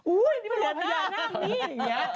อุ้ยนี่เป็นรวรณญานาคนี่อย่างเงี้ย